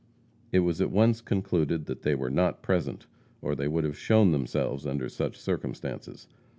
It was at once concluded that they were not present or they would have shown themselves under such circumstances.